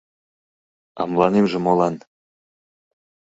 — А мыланемже молан!